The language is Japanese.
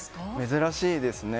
珍しいですね。